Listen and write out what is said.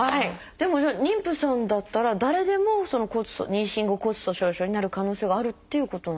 でもじゃあ妊婦さんだったら誰でもその妊娠後骨粗しょう症になる可能性があるっていうことなんですか？